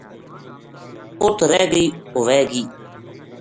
اُت رہ گئی ہووے گی